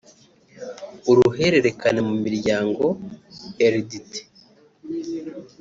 uruhererekane mu miryango (Heredité)